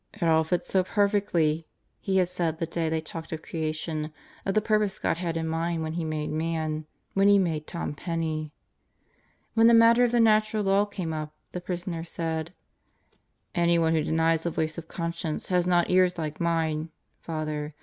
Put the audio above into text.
"It all fits so perfectly," he had said the day they talked of Creation, of the purpose God had in mind when He made man when He made Tom Penney. When the matter of the Natural Law came up, the prisoner said: "Anyone who denies the voice of conscience has not ears like mine, Father.